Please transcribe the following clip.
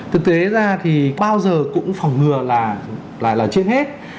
thực tế ra thì bao giờ cũng phòng ngừa là trên hết